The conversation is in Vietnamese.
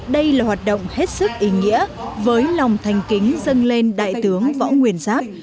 đây là hoạt động hết sức ý nghĩa với lòng thành kính dân lên đại tướng võ nguyễn giáp